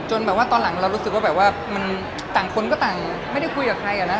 แบบว่าตอนหลังเรารู้สึกว่าแบบว่ามันต่างคนก็ต่างไม่ได้คุยกับใครอะนะ